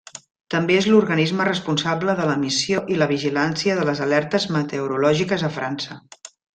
També és l'organisme responsable de l'emissió i la vigilància de les alertes meteorològiques a França.